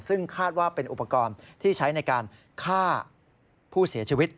ซึ่งคาดว่าเป็นอุปกรณ์ที่ใช้ในการฆ่าผู้เสียชีวิต